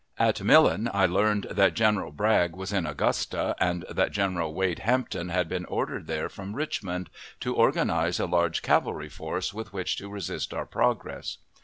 At Millen I learned that General Bragg was in Augusta, and that General Wade Hampton had been ordered there from Richmond, to organize a large cavalry force with which to resist our progress.